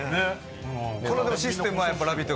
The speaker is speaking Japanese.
このシステムは「ラヴィット！」